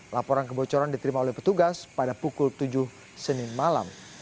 laporan kebocoran diterima oleh petugas pada pukul tujuh senin malam